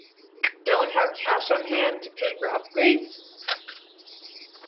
Don’t have cash on hand to pay for upgrades?